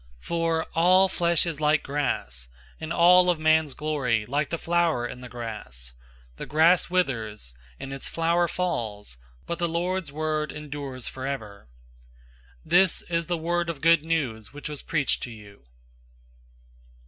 001:024 For, "All flesh is like grass, and all of man's glory like the flower in the grass. The grass withers, and its flower falls; 001:025 but the Lord's word endures forever."{Isaiah 40:6 8} This is the word of Good News which was preached to you.